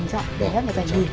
của tác giả trần vũ linh